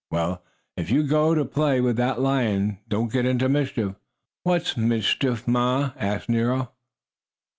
"Well, if you go to play with that lion boy don't get into mischief." "What's mischief, Ma?" asked Nero.